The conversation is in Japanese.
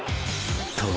［と